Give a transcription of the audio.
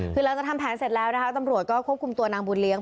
คือหลังจากทำแผนเสร็จแล้วนะคะตำรวจก็ควบคุมตัวนางบุญเลี้ยง